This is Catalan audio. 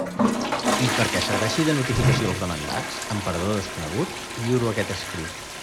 I, perquè serveixi de notificació als demandats, en parador desconegut, lliuro aquest escrit.